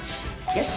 よし！